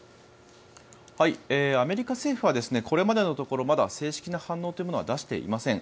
アメリカ政府はこれまでのところまだ正式な反応というものは出していません。